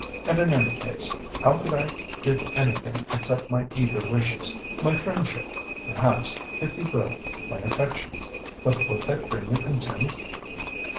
And in any case, how could I give anything except my eager wishes, my friendship perhaps, if you will, my affection? But would that bring you content?"